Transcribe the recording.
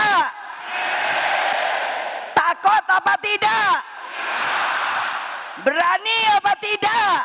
nanti katanya saya bumega provokator ya saya sekarang provokator demi keadilan